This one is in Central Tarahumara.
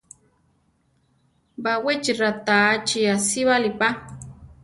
Baʼwéchi ratáachi asíbali pa.